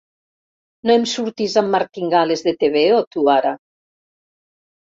No em surtis amb martingales de tebeo, tu ara!